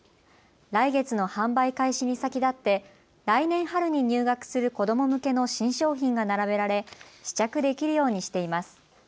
来月の販売開始に先立って来年春に入学する子ども向けの新商品が並べられ試着できるようにしています。